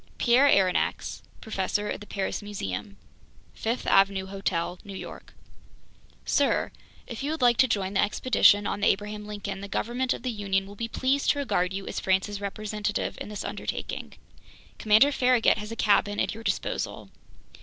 Pierre Aronnax Professor at the Paris Museum Fifth Avenue Hotel New York Sir: If you would like to join the expedition on the Abraham Lincoln, the government of the Union will be pleased to regard you as France's representative in this undertaking. Commander Farragut has a cabin at your disposal.